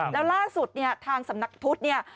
แล้วล่าสุดเนี่ยทางสำนักพุทธเนี่ย